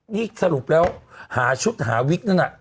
นี่สรุปแล้วหาชุดหาวิกนั่นน่ะ